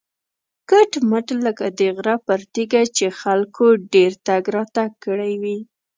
کټ مټ لکه د غره پر تیږه چې خلکو ډېر تګ راتګ کړی وي.